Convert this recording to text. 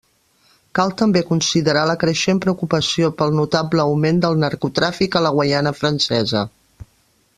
Cal també considerar la creixent preocupació pel notable augment del narcotràfic a la Guaiana francesa.